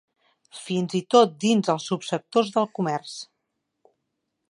Fins i tot dins els subsectors del comerç.